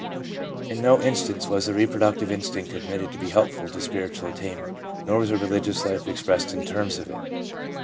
In no instance was the reproductive instinct admitted to be helpful to spiritual attainment, nor was the religious life expressed in terms of it.